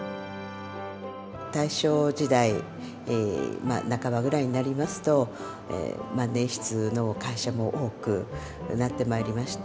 大正時代まあ半ばぐらいになりますと万年筆の会社も多くなってまいりまして